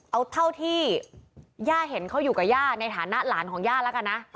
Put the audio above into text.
เอาเท่าที่ย่าเห็นเขาอยู่กับย่าในฐานะหลานของย่าแล้วกันนะ